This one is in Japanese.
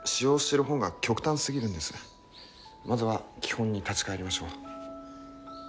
まずは基本に立ち返りましょう。